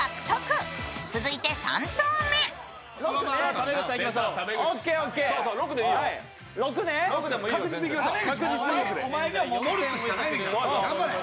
溜口さんいきましょう。